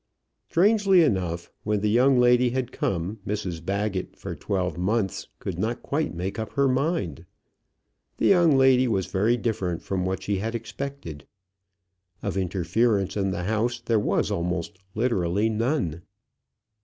Strangely enough, when the young lady had come, Mrs Baggett, for twelve months, could not quite make up her mind. The young lady was very different from what she had expected. Of interference in the house there was almost literally none.